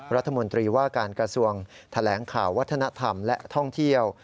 รัฐมนตรีว่าการกระทรวงแถลงข่าววัฒนธรรมและท่องเที่ยว